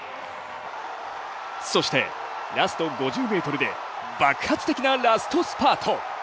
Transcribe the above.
そしてラスト５０ｍで爆発的なラストスパート。